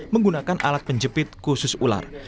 menggunakan alat penjepit khusus ular